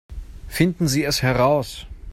Finden Sie es heraus!